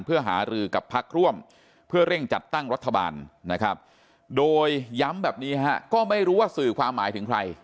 เพื่อหารือกับพักร่วมเพื่อเร่งจัดตั้งรัฐบาลนะครับโดยย้ำแบบนี้ฮะก็ไม่รู้ว่าสื่อความหมายถึงใคร